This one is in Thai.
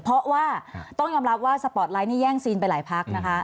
เพราะว่าต้องยอมรับว่าสปอร์ตไลท์นี่แย่งซีนไปหลายพักนะคะ